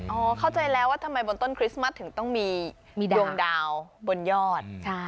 เข้าใจแล้วว่าทำไมบนต้นคริสต์มัสถึงต้องมีดวงดาวบนยอด